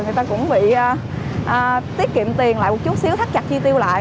người ta cũng bị tiết kiệm tiền lại một chút xíu thắt chặt chi tiêu lại